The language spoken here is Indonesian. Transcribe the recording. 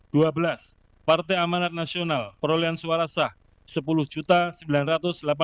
dua belas partai amanat nasional perolehan suara sah rp sepuluh sembilan ratus delapan puluh